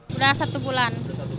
sudah satu bulan